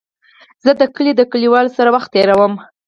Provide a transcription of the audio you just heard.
زه د کلي د کليوالو سره وخت تېرووم.